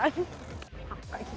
ini sesuai dengan kenyataan